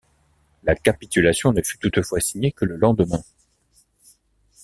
La capitulation ne fut toutefois signée que le lendemain.